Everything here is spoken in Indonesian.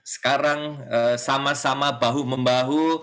sekarang sama sama bahu membahu